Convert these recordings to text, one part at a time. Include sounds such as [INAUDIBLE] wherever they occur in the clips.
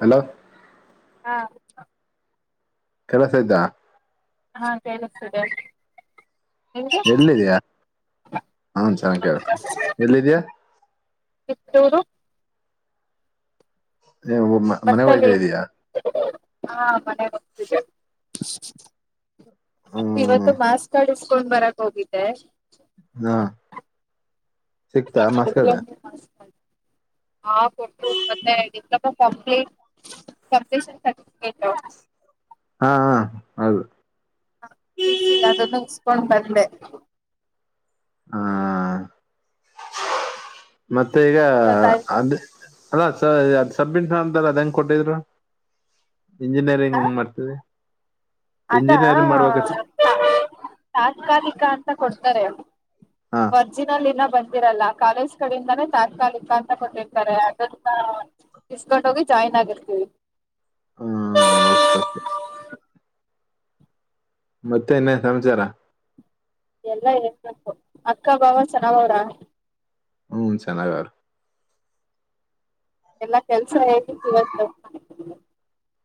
Hello ಹಾ ಕೆಳ್ಸತೈಯ್ತಾ ಹಾ ಕೇಳಿಸ್ತಿದೆ ಯಲ್ಲಿದಿಯ ಹೂನ್ ಚೆನ್ನಗ್ ಕೇಳ್ತು ಎಲ್ಲಿದಿಯ ತಿಪ್ಟೂರು ಬಸ್ ಮನೆ ಲ್ಲಿ ಹೋಯ್ತಾ ಇದೀಯಾ ಹಾ ಮನೆ ಹೋಗ್ತಿದ್ದೆ ಹ್ಮ್ ಇವತ್ತು ಮಾಸ್ ಕಾರ್ಡ್ ಇಸ್ಕೊಂಡ್ ಬರಕ್ ಹೋಗಿದ್ದೆ ಹಾ ಸಿಕ್ತಾ ಮಸ್ಕಡ್ ಹಾ ಕೊಟ್ಟಲು ಮೆ ಇ ಕಂಪ್ಲಿಟ್ ಕಂಪ್ಲಷನ್ ಸರ್ಟಿಫಿಕಟ್ ಹಾ ಹ ಹೌದು ಡ ಹಾ ಮತ್ತೆ ಈಗ ಅದು ಅಲ್ಲ ಸ ಅದ ಸಬ್ ಇಸ್ ಅಂತಾರ ಅದ ಹೆಂಗ್ ಕೊಟ್ಟಿದ್ರು ಇಂಜಿನಿಯರಿಂಗ್ ಹೆಂಗ್ ಮಾಡ್ತರಿ ಅದಾ ತಾತ್ಕಾಲಿಕ ಅಂತ ಕೊಡ್ತಾರೆ ಹಾ ವರ್ಜಿನಲ್ ಇನ ಬಂದ ರಲ್ಲ ಕಾಲೇಜ್ ಕಡಿಂದಾನೇ ತಾತ್ಕಾಲಿಕ ಅಂತ ಕೊಟ್ಟಿರ್ತಾರೆ ಅದ ಇಸ್ಕೊಂಡ ಹೋಗಿ ಜಾಯಿನ್ ನಗರ್ ಹ್ಮ ವಸ್ತ ಮತ್ತೆ ಇನ್ನೇನ್ ಸಂಚಾರ ಎಲ್ಲ ಇ ಅಕ್ಕ ಬಾಾವ ಚೆನ್ನ ಅವ್ರ ಹ್ಮ್ ಸನಾಗಾರ ಎಲ್ಲಾ ಕೆಲ್ಸ ಹೇತಿತ್ತು ಇವತ್ತು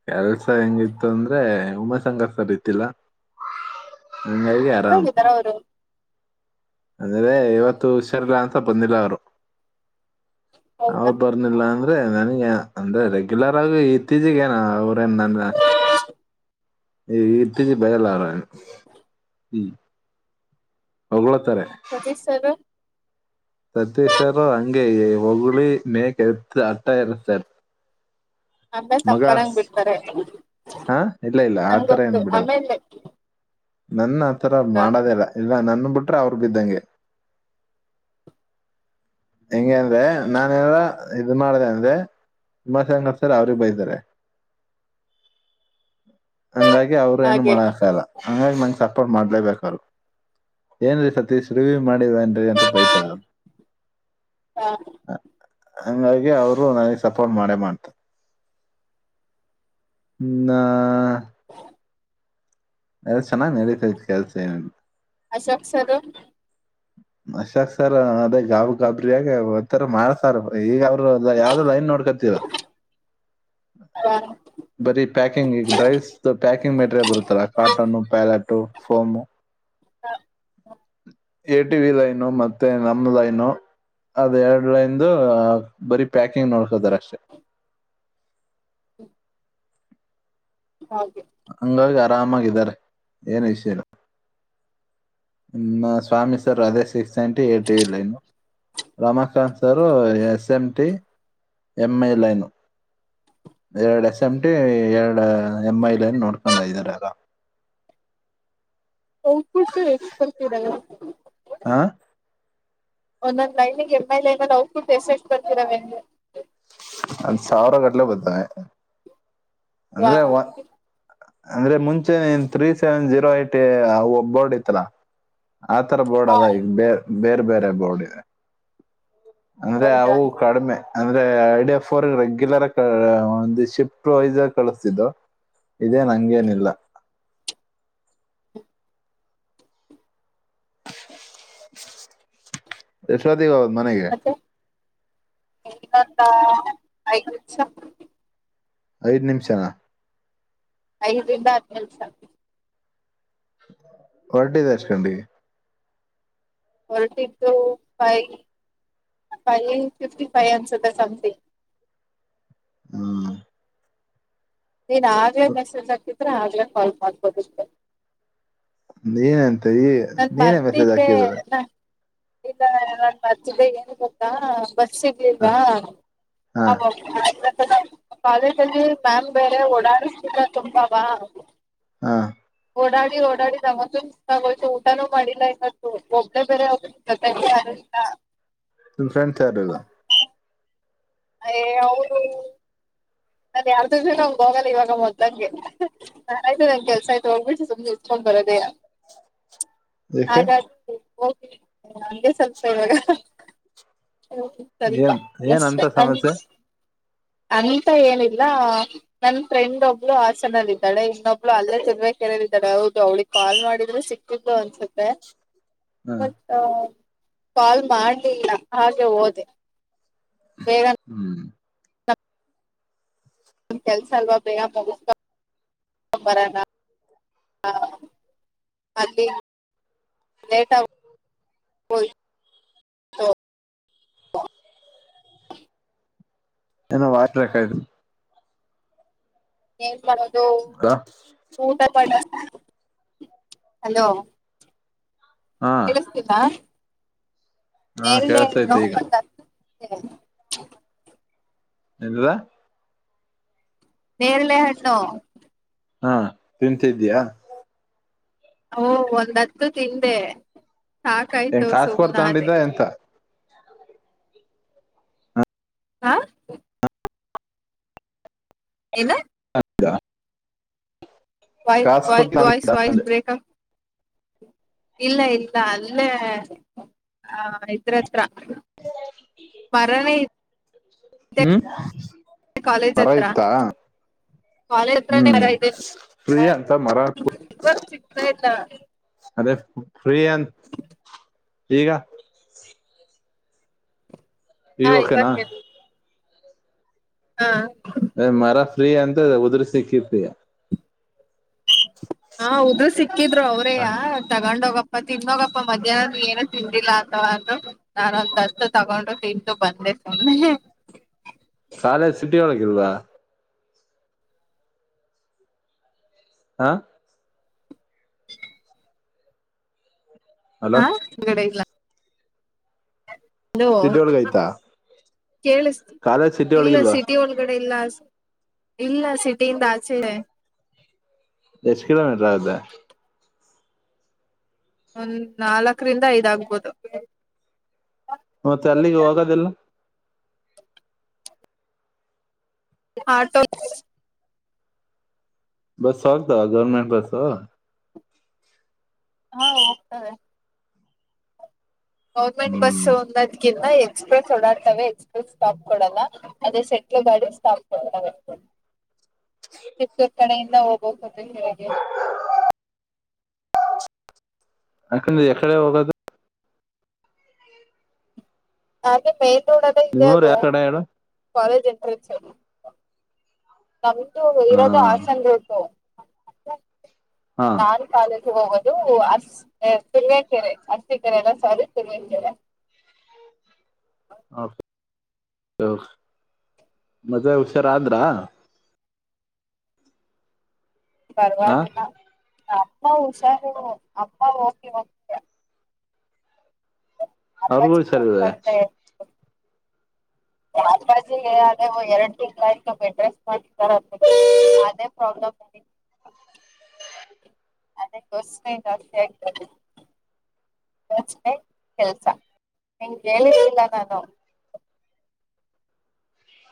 ಕೆಲ್ಸ ಹೆಂಗಿತ್ತು ಅಂದ್ರೆ ಉಮಾಶಕರ್ ಸರ್ ಇತಿಲ್ಲ ನಿಂಗ ಕೇರಾಮ ಅಂದ್ರೆ ಇವತ್ತು ಹುಷಾರಲ್ಲಾ ಅಂತ ಬಂದಿಲ್ಲ ಅವರು ಅವ್ರು ಬರ್ಂದಿಲ್ಲ ಅಂದ್ರ ಅದೇ ನನಗೆ ಅಂದ್ರೆ ರೆಗ್ಯುಲರ್ ಆಗಿ ಇತ್ತೀಚಗ ಏನ ಅವ್ರೇನ್ ನ ಈ ಇತ್ತಚಿ ಬಯಲ ಆರ ಹ್ಮ ಅವಳ ಸಜತ್ ಸರ್ ಸತೀಶ್ವಾರೋ ಅಂಗೇಯೇ ಒಗುಳಿ ಮೇ ಕೆತ್ತು ಅಟ್ಟಸರ್ ಆಮೇ ತಪನಂಗ್ ಬಿಡ್ತಾರೆ ಹಾ ಇಲ್ಲ ಇಲ್ಲ ಆತರ ಏನ್ ಬಿಡದು ನನ್ ಆತರ ಮಾಡದಿಲ್ಲ ಇಲ್ಲ ನನ್ ಬಿಟ್ಟು ಅವರ್ಬಿದ್ದಂಗೆ ಹೆಂಗಗೆ ಅಂದ್ರೆ ನಾನ ಎಲ್ಲ ಇದ ಮಾಡ್ದ ಅಂದೆ ಮ್ಮಸ್ಂಗ ಸರ್ ಅವ್ರೇ ಬೈತಾರೆ ಹಂಗಾಗಿ ಅವ್ರು ಏನು ಮಾಡಕಲ್ಲ ಹಂಗಾಗಿ ನಂಗ ಸಾ ಮಾಡ್ಲೇಬೇಕಾದು ಏನ್ ರೀ ಸತೀಶ್ ರಿಗ ಮಾಡಿವ ಅಂತ ಬೈತಲ್ಲ ಹ ಹಂಗಾಗಿ ಅವರು ನನಗ್ ಸಪೋರ್ಟ್ ಮಾಡೇ ಮಾಡ್ತ ನಾ [INAUDIBLE] ಚೆನ್ನಾಗಿ ನಡಿತೈತೆ ಕೆಲಸ ಏನು ಅಶೋಕ್ ಸರ್ ಅಶಾಕ್ ಸರ್ ಅದೇ ಗಾಬ ಗಾಬರಿಯಾಗ ಒಥರ ಮಾಡಸಾರ್ ಈಗ ಯಾವ್ದ ಲೈನ್ ನೋಡ್ಕತೀರ ಹಾ ಬರೀ ಪ್ಯಾಕಿಂಗ್ ಈ ಡ್ರೈಸ್ ಪ್ಯಾಕಿಂಗ್ ಮೆಟೀರಿಯಲ್ ಬರುತ್ತಲ್ಲಾ ಕಾಟನ್ನು ಪ್ಯಾಲಟು ಸೋಮು ಹ ಹ ಎ ಟಿ ವಿ ಲೈನು ಮತ್ತೆ ನಮ ಲೈನು ಅದ್ ಎರಡ್ ಲೈಂದು ಬರಿ ಪ್ಯಾಕಿಂಗ್ ನೋಡ್ಕತಾರ್ ಅಷ್ಟೆ ಹಂಗಾಗಿ ಆರಾಮಾಗಿದ್ದಾರೆ ಏನು ಇಸ್ಸು ಇಲ್ಲಾ ಸ್ವಾಮಿ ಸರ್ ಅದೇ ಸಿಕ್ಸ್ ನೈಂಟಿ ಏಟ್ ಇಲ್ಲ ಇನು ರಮಾಕಾಂತ್ ಸಾರ ಎಸ್ಎಂಟ ಎಂಐಲೈನು ಎರಡು ಎಸ್ ಎಂ ಟಿ ಎರಡು ಎಮ್ ಐ ಎನ್ ನೋಡ್ಕದರಾಗ ಒಪಸ ಎಕ್ಸ್ಪರ್ತದೆ ಆ ಒಂದೊಂದ್ ಲೈನಿಗೆ ಎಮ್ ಲ್ ನ ನಾ್ ಕೂಟ್ಟು ಎಸ ಎಸ್ ಬರ್ತಿರಾವಗೆ ಒಂದ್ ಸಾವಿರ ಗಟ್ಲೆ ಬರ್ತಾವೆ ವಾವ್ ಅಂದ್ರೆ ಮುಂಚೆನ್ three seven zero eight board ಇತ್ತಲಾ ಆತರ ಬೋರ್ಡ್ ಅಲ್ಲ ಈಗ ಬೇ ಬೇರೆ ಬೇರೆ ಬೋರ್ಡ್ ಇದೆ ಅಂದ್ರೆ ಅವು ಕಡಿಮೆ ಅಂದ್ರೆ ಡ ಫೋ ರೆಗ್ಯುಲರ್ ಒಂದು ಶಿಫ್ಟ್ ವೈಸರ್ ಕಳಿಸ್ತಿದ್ದು ಇದೇನ್ ಅಂಗೆನ್ ಇಲ್ಲ [INAUDIBLE] [INAUDIBLE] ಎಷ್ಟೂ ಹೊತ್ತಿಗೆ ಹೋದೆ ಮನೆಗೆ ಇ ಆಯ [UNINTELLIGIBLE] ಐದು ನಿಮಿಷ ಐದು ರಿಂದ ಹತ್ತು ನಿಮಿಷ ಹೊರಟಿದ್ದು ಎಷ್ಟು ಗಂಟೆಗೆ ಹೊರಟಿದ್ದು ಫೈ ಅ ಫೈ ಫಿಫ್ಟಿ ಫೈವ ಅನುಸ್ತೆ ಸಂಥಿಂಗ್ ಹ್ಮ ನೀನ್ ಆದ್ರೇ ಮೆಸೇಜ್ ಹಾಕಿದ್ರೆ ಆದ್ರೆ ಕಾಲ್ ಮಾಡ್ಬೋದಿರ್ತೇನೆ ನೀನಂತ ಈ ನಾನ್ ನೀನೇ ಮೆಸೇಜ್ ಮರ್ತಿದ್ದೆ ಹಾಕಿದ್ರೆ ನ ಇಲ್ಲ ನಾನ್ ಮರ್ತಿದ್ದೆ ಏನ್ ಗೊತ್ತಾ ಬಸ್ ಹ ಇದಿಲ್ವಾ ಹ ಕಾಲೇಜ ಅಲ್ಲಿ ಮ್ಯಾಮ್ ಬೇರೆ ಓಡಾಡಿಸತರ ತುಂಬ ವ ಹಾ ಓಡಾಡಿ ಓಡಾಡಿ ಸುಸ್ತು ಆಗೋಯ್ತು ಊಟನು ಮಾಡಿಲ್ಲ ಇವತ್ತು ಒಬ್ಬಳೇ ಬೇರೆ ಜೊತೆಗೆ ಯಾರು ಇಲ್ಲಾ ನಿಮ್ ಫ್ರೆಂಡ್ಸ್ ಯಾರು ಇಲ್ಲ ಅಯ ಅವರು ನನ್ ಯಾರ ಜೊತೇನು ಹಂಗೆ ಹೋಗಲ್ಲ ಇವಾಗ ಮೋದಲಂಗೆ ನಾನು ಆಯ್ತು ನನ್ ಕೆಲ್ಸ ಆಯತು ಹೋಗ್ಬಿಟ್ಟು ಸುಮ್ನೆ ಹೋಗಿ ಬರೋದೇ ಏಕೆ ಆಗಾಗಿ ಹೋಗ ಹಂಗೆ ಸ್ವಲ್ಪ ಇವಾಗ ಹ ಸರಿತ ಏನ್ ಏನ್ ಅಷ್ಟ ಅಂತ ಅ ಸಮಸ್ಯೆ [UNINTELLIGIBLE] [UNINTELLIGIBLE] ಏನಿಲ್ಲ ನನ್ನ್ ಫ್ರೆಂಡ್ ಒಬ್ಳು ಹಾಸನ್ ಅಲ್ಲಿ ಇದ್ದಾಳೆ ಇನ್ನೊಬ್ಳು ಅಲ್ಲೇ [UNINTELLIGIBLE] ಹೌದು ಅವ್ಳಿಗೆ ಕಾಲ್ ಮಾಡಿದ್ರೆ [UNINTELLIGIBLE] ಅನ್ಸುತ್ತೆ. ಹ ಮತ್ತ್ ಕಾಲ್ ಮಾಡಲಿಲ್ಲ ಹಾಗೆ ಹೋದೆ. ಹ್ಮು ನನ್ನ್ ಕೆಲ್ಸ ಎಲ್ಲಾ ಬೇಗಾ ಮುಗುಸ್ಕೊ [UNINTELLIGIBLE] ಅಲ್ಲಿ ಲೇಟ ಆಗಿ ಹೋಯ್ತು. [UNINTELLIGIBLE] ಏನ್ ಮಾಡೋದು ಊಟ ಪಡ. ಹಲೋ ಹಾ ಕೆೇಳಸ್ತಿಲ್ಲಾ ಹಾ ಕೇಳಸ್ತೈತೆ ಈಗ [UNINTELLIGIBLE] [UNINTELLIGIBLE] ನೇರಳೆ ಹಣ್ಣು. ಹಾ ತಿಂತಿದ್ದೀಯಾ. ಓ ಒಂದ್ ಹತ್ತು ತಿಂದೆ ಏನ್ ಸಾಕಾಯ್ತು ಕಾಸ್ ಕೊಡ್ ಸುಮ್ನ ಆದೇ. ತಗೊಂಡಿದ್ದ ಎಂತ ಆ ಏನಾ ಡಾ ವೈ ವೈ ವಾಯ್ಸ್ ತಗೊಂಡಿದ್ದ ವಾಯ್ಸ್ ಅಂದೆ ಬ್ರೇಕ್ ಆ ಇಲ್ಲ ಇಲ್ಲ ಅಲ್ಲೇ ಆ ಇದ್ರತ್ರ. [UNINTELLIGIBLE] ಹ್ಮು ಕಾಲೇಜ್ ಹತ್ರ. ಕಾಲೇಜ ಹ್ಮ್ ಫ್ರೀ ಅಂತ ಮರ [UNINTELLIGIBLE] ಸಿಗ್ತಾ ಇಲ್ಲ. ಅದೇ ಫ್ರೀಯಂತ ಈಗಾ. ಈಗ್ ಓಕೆನಾ. ಆ ಎ ಮರ ಫ್ರೀ ಅಂದೆ ಉದರಿ ಸಿಕ್ಕೆತ್ತಿ. ಆ ಉದ್ರಿ ಸಿಕ್ಕಿದ್ರು ಅವ್ರೇಯ ತಗೊಂಡೋಗ ಮತ್ತ್ ತಿನ್ನೋಗಪ್ಪ ಮಧ್ಯಾಹ್ನ ಏನು ತಿಂದ್ದಿಲ್ಲಾ [UNINTELLIGIBLE] [UNINTELLIGIBLE] [INAUDIBLE] ಕಾಲೇಜ್ ಸಿಟಿ ಒಳಗಿಲ್ಲಾ. ಆ ಹಲೋ ಆ [UNINTELLIGIBLE] ಹಲೋ ಸಿಟಿ ಒಳಗ ಆಯ್ತಾ ಕೇಳಸ್ತಿ ಕಾಲೇಜ್ ಸಿಟಿ ಇಲ್ಲ ಒಳಗಿಲ್ವಾ ಸಿಟಿ ಒಳಗಡೆ. ಇಲ್ಲ ಸು ಇಲ್ಲ ಸಿಟಿ ಇಂದ ಆಚೆ. ಎಷ್ಟು ಕಿಲೋಮೀಟರ್ ಅದ. ಒಂದ್, ನಾಲ್ಕರಿಂದ ಐದ್ ಆಗಬೋಹುದು. ಮತ್ತೆ ಅಲ್ಲಿಗೆ ಹೋಗೋದೆಲ್ಲ. Auto bus [UNINTELLIGIBLE] government bus. ಹಾ ಹೋಗ್ತವೆ. ಗೌರ್ಮೆಂಟ್ ಹ್ಮ್ ಬಸ್ಸು [UNINTELLIGIBLE] ಎಕ್ಸ್ಪ್ರೆಸ್ ಓಡಾಡ್ತವೆ ಎಕ್ಸ್ಪ್ರೆಸ್ ಸ್ಟಾಪ್ ಕೊಡಲ್ಲ ಅದೇ ಸೆಟ್ಲು ಗಾಡಿ ಸ್ಟಾಪ್ ಕೊಡ್ತವೆ. [INAUDIBLE] [UNINTELLIGIBLE] ಕಡೆಯಿಂದ [UNINTELLIGIBLE] ಅಂಕಲ್ಲ್ ಎಕಡೆ ಹೋಗೋದು. ಹಾಗೆ ಮೈನ್ ರೋಡ್ [UNINTELLIGIBLE] ಇದೆ ನಿಮ್ಮೂರ್ ಅದು ಯಾವ ಕಡೆ ಹೇಳು ಕಾಲೇಜ್ ಎಂಟ್ರೆನ್ಸ್ ಅಲ್ಲಿ. ನಮ್ದು ಹ ಇರೋದು ಆಸನ್ ಉಂಟು ಹಾ ನಾನನ್ ಕಾಲ ಹೋಗುದು ಹ ತಿುಮ್ಮಿಯ ಕೆರೆ ಹಸ್ಕೆರೆ ಎಲ್ಲ ಸದು ತಿ ಕೆರೆ [INAUDIBLE] ಮಜೆ ಹುಷಾರ ಅಂದ್ರಾ ಹ ಪರವಾಗಿಲ್ಲ ಅಮ್ಮ ಹುಷಾರು ಅಮ್ಮ ಹೋಗಿ ಹೋಗತ ಅವ್ರಿಗೂ ಈ ಸಾರ ಇದೆ [INAUDIBLE] ಹ ಬ ಅದ ಎರಡ್ ತಿಂಗಳ ಅಡ್ರೆಸ್ಟ್ ಮಾಡಾರ ಅದೇ ಪ್ರಾಬ್ಲಮ್ [INAUDIBLE] ಅದೇ ತಸ್ ಜಾಸ್ತಿ ಆಗ್ತ ಯೋಚನೆ ಕೆಲ್ಸ ನಿಂಗಗೆ ಹೇಳಿರ್ಲಿಲ್ಲ ನಾನು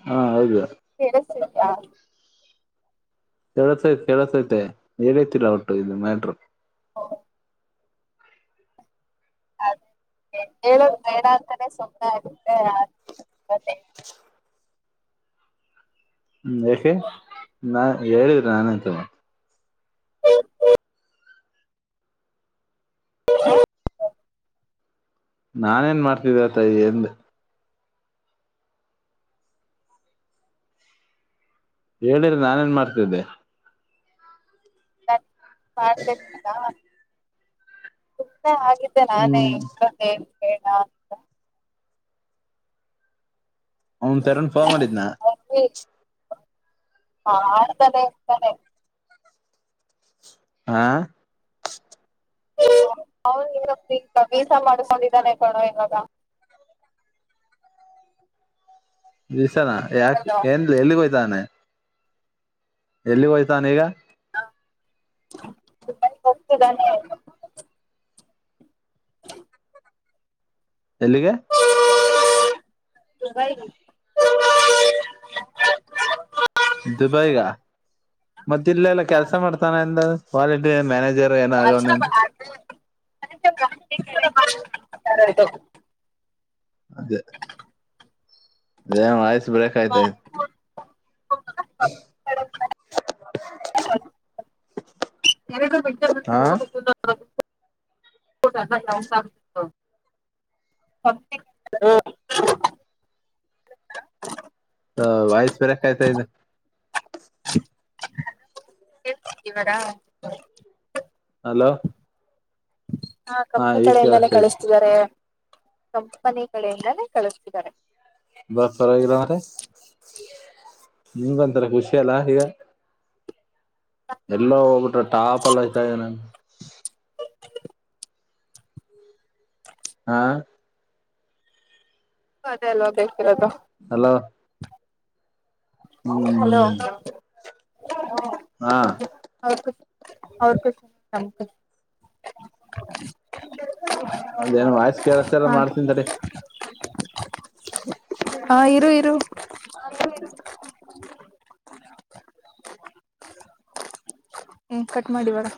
ಹಾ ಹೌದು ಕೇಳುತ್ತಿದ್ದೀಯಾ ಕಸಐತ್ ಕೇಳೋತೈತೆ ಹೇಳೇತಿಲ್ಲ ಒಟ್ಟು ಇ ಮ್ಯಾಟರು ಹೌ ಅದೇ ಹೇಳ ಬೇಡ ಅಂತಾನೇ ಸುಪ್ಪ ಆಗುತ್ತೆ ಮತ್ತೆ ಹ್ಮ್ ಯಏಕೆ ನಾ ಹೇಳಿದ್ರಿ ನಾನಂತ [UNINTELLIGIBLE] ನಾನೇನ್ ಮಾಡ್ತಿದ್ದೆ ತಾಯ ಎಂದ ಹೇಳಿರಿ ನಾನೇನ್ ಮಾಡ್ತಿದ್ದೆ [UNINTELLIGIBLE] ಆಗಿದ್ದೆ ನಾನೇ ಹ್ಮ್ ಇದ್ರ ಏನ್ ಹೇಳೇಳ ಅಂತ ಅವನ್ ತರನ್ ಫೋನ್ ಮಾಡಿದ್ನಾ [UNINTELLIGIBLE] ಆ ಅವನ್ ಈಗ ಈಗ ವೀಸಾ ಮಾಡ್ಕೊಂಡಿದ್ದಾನೆ ಕಣೋ ಇವಾಗ [UNINTELLIGIBLE] ದಸನಾ ಯ ಎಏನ್ ಎಲಿ ಕೊಯ ತಾನ ಎಲ್ಲಿ ಹೋಯ್ತಾನ ಈಗ ಹೋಗತದಾನೆ ಎಲ್ಲಿಗೆ [UNINTELLIGIBLE] ದುಬೈಗ ಮತ್ತ ಇಲ್ಲೆಲ್ಲ ಕೆಲ್ಸ ಮಾಡ್ತಾನ ಎಂದ ಮ್ಯಾನೇಜ [UNINTELLIGIBLE] ಅದೇ [UNINTELLIGIBLE] ಆಐಸ್ ಬ್ರೇಕ ಆಯತ ಹಾ [UNINTELLIGIBLE] ಊಟ [UNINTELLIGIBLE] ಹ ವೈಸ್ ಬರ ಕಾಯ್ತ ಇದು ಹಳ್ತ ಇವರಾ ಹಲೋ ಹಾ ಕಂಪನಿ ಈಗ ಕಡೆಯಿಂದಾನೇ ಕೇಳಸ್ತೈತಿ ಕಳಿಸ್ತಿದ್ದಾರೆ ಕಂಪನಿ ಕಡೆಯಿಂದಾನೇ ಕಳಿಸ್ತಿದ್ದಾರೆ ಬಸ್ ಪರವಾಗಿರ [UNINTELLIGIBLE] ನಿಂಗ ಒಥರ ಖುಷಿ ಅಲ್ಲ ಈಗ ಎಲ್ಲಾ ಹೋಗ್ಬಿಟ್ರ ಟಾಪ್ ಎಲ್ಲ ಇತ ನ [UNINTELLIGIBLE] ಹಾ ಅದೇ ಅಲ್ಲ ಬೇಕಿರೋದು ಹಲೋ ಹಲೋ ಹ್ಮ್ ಹಾ [UNINTELLIGIBLE] ಅದೇನು ವಾಯ್ಸ್ ಕೇಳಸ ಎಲ್ಲ ಹಾಗೆ ಮಾಡ್ತನ್ ತಡಿ ಹಾ ಇರು ಇರು [UNINTELLIGIBLE] ಹ್ಮ್ ಕಟ್ ಮಾಡಿಬೇಡ